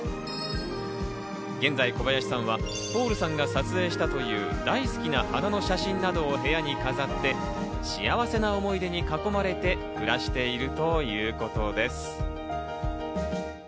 現在、小林さんはポールさんが撮影したという大好きな花の写真などを部屋に飾って、幸せな思い出に囲まれて暮らしているということです。